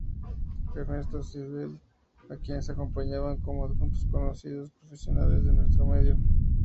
Ernesto Seidel a quienes acompañaban como adjuntos conocidos profesionales de nuestro medio.